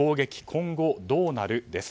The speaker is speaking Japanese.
今後どうなる？です。